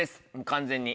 完全に。